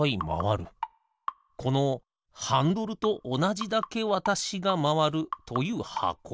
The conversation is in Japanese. このハンドルとおなじだけわたしがまわるというはこ。